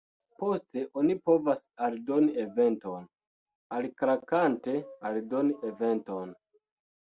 Poste oni povas aldoni eventon, alklakante 'Aldoni eventon'.